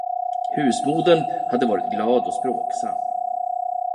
Husmodern hade varit glad och språksam.